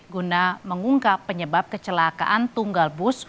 guna mengungkap penyebab kecelakaan tunggal bus